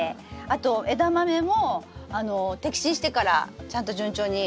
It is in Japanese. あとエダマメも摘心してからちゃんと順調に。